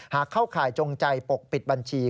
เข้าข่ายจงใจปกปิดบัญชี